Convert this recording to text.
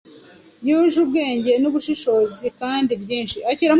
yuje ubwenge n’ubushishozi kandi byinshi